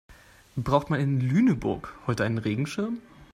Braucht man in Lüneburg heute einen Regenschirm?